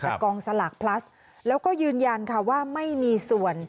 กองสลากพลัสแล้วก็ยืนยันค่ะว่าไม่มีส่วน